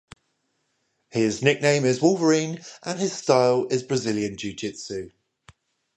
His nickname is Wolverine and his style is Brazilian Jiu-Jitsu.